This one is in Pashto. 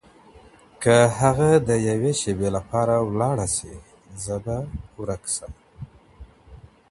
که هغه د یوې شېبې لپاره لاړه شي، زه به ورک شم.